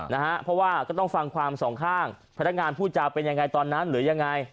นะฮะเพราะว่าก็ต้องฟังความสองข้างพนักงานพูดจะเป็นยังไงตอนนั้นหรือยังไง